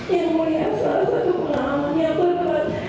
yang melihat salah satu pengalaman yang terberat